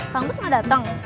kampus gak dateng